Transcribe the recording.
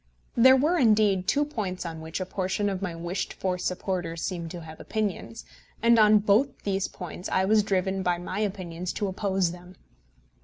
There were, indeed, two points on which a portion of my wished for supporters seemed to have opinions, and on both these two points I was driven by my opinions to oppose them.